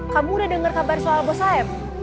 kamu udah dengar kabar soal bos saya